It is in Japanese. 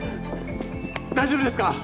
大丈夫ですか？